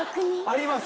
あります。